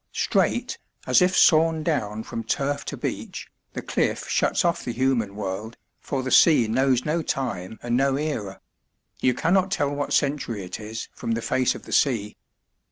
Straight, as if sawn down from turf to beach, the cliff shuts off the human world, for the sea knows no time and no era; you cannot tell what century it is from the face of the sea.